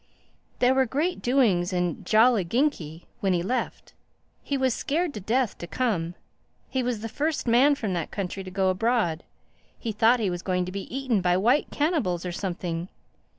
"There were great doings in Jolliginki when he left. He was scared to death to come. He was the first man from that country to go abroad. He thought he was going to be eaten by white cannibals or something.